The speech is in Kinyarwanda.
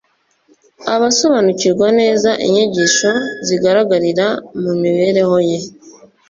Abasobanukirwa neza inyigisho zigaragarira mu mibereho ye